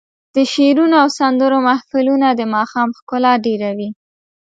د شعرونو او سندرو محفلونه د ماښام ښکلا ډېروي.